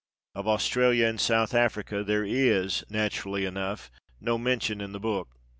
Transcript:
Of Australia and South Africa there is, naturally enough, no mention in the book.